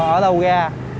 ở đâu ra